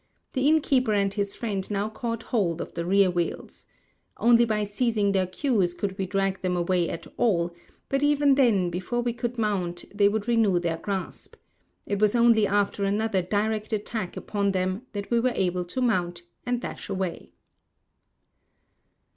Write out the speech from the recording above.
The innkeeper and his friend now caught hold of the rear wheels. Only by seizing their queues could we drag them away at all, but even then before we could mount they would renew their grasp. It was only after another direct attack upon them that we were able to mount, and dash away.